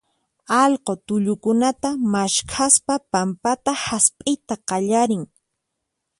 allqu tullukunata maskhaspa pampata hasp'iyta qallarin.